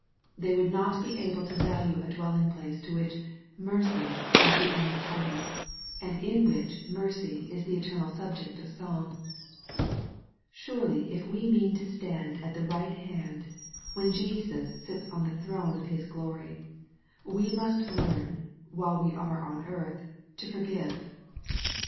They would not be able to value a dwelling place to which " mercy" ig the only title, and in "which " mercy" is the eternal sub ject of song. Surely if we mean to stand at the right band, when Jesus sits on the throne of His glory, we must learn, while we are on earth, to forgive.